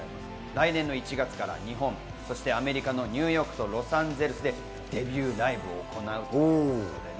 来年の１月から日本、そしてアメリカのニューヨークとロサンゼルスでデビューライブを行うということです。